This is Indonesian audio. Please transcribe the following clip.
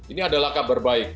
ini adalah kabar baik